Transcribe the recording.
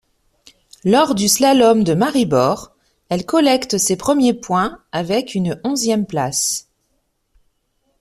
Lors du slalom de Maribor, elle collecte ses premiers points avec une onzième place.